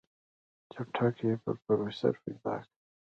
چټک پې پروفيسر پيدا که.